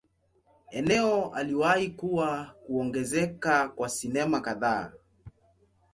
Eneo aliwahi kuwa kuongezeka kwa sinema kadhaa.